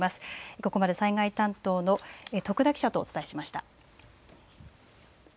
ここまで災害担当の徳田記者とお伝えしました。